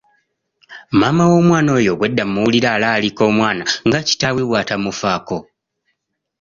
Maama w'omwana oyo obwedda muwulira alaalika omwana nga kitaawe bw'atamufaako.